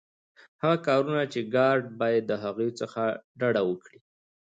هغه کارونه چي ګارډ باید د هغوی څخه ډډه وکړي.